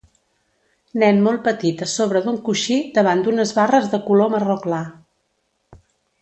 Nen molt petit a sobre d'un coixí davant d'unes barres de color marró clar